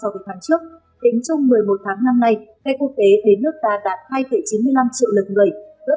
tính trong một mươi một tháng năm nay khách quốc tế đến nước ta đạt hai chín mươi năm triệu lượt người